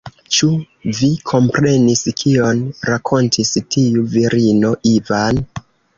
Ĉu vi komprenis, kion rakontis tiu virino, Ivan?